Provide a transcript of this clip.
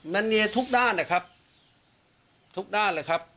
มันเนียทุกด้านนะครับทุกด้านเลยครับ